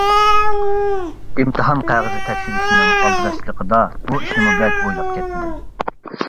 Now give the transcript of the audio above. ئىمتىھان قەغىزى تەكشۈرۈشنىڭ ئالدىراشچىلىقىدا بۇ ئىشنىمۇ بەك ئويلاپ كەتمىدىم.